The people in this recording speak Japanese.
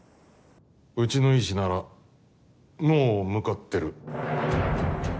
うちの医師ならもう向かってる。